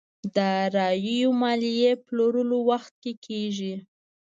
داراییو ماليې پلورلو وخت کې کېږي.